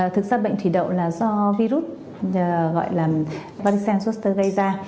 thực ra bệnh thủy đậu là do virus gọi là valixen suster gây ra